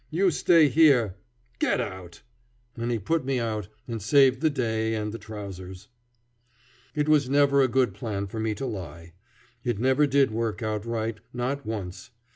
You stay here. Get out!" And he put me out, and saved the day and the trousers. It was never a good plan for me to lie. It never did work out right, not once.